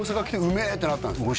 うめえってなったんですか？